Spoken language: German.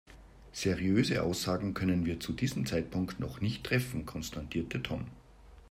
Seriöse Aussagen können wir zu diesem Zeitpunkt noch nicht treffen, konstatierte Tom.